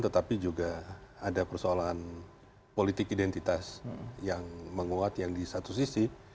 tetapi juga ada persoalan politik identitas yang menguat yang di satu sisi